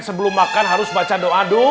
sebelum makan harus baca doa doa